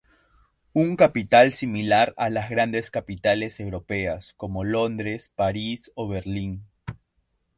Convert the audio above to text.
Una capital similar a las grandes capitales europeas como Londres, París o Berlín.